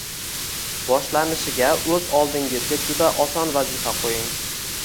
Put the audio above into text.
Boshlanishiga o’z oldingizga juda oson vazifa qo’ying